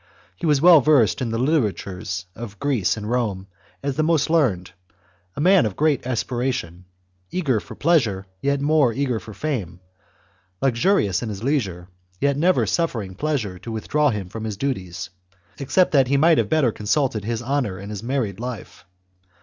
He was as well versed in the literatures of Greece and Rome as the most learned, a man of great aspiration, eager for pleasure, yet more eager for fame, luxurious in his leisure, yet never suffering pleasure to withdraw him from his duties, except that he might have better consulted his honour in his married life.